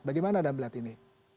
bagaimana anda melihat ini